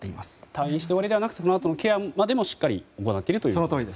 退院して終わりではなくそのあとのケアまでしっかり行っていると。